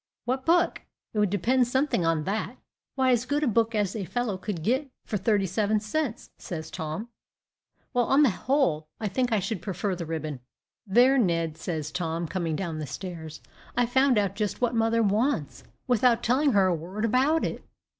"What book? It would depend something on that." "Why, as good a book as a fellow could get for thirty seven cents," says Tom. "Well, on the whole, I think I should prefer the ribbon." "There, Ned," says Tom, coming down the stairs, "I've found out just what mother wants, without telling her a word about it."